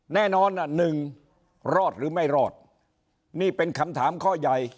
แน่นอนอ่ะหนึ่งรอดหรือไม่รอดนี่เป็นคำถามข้อใหญ่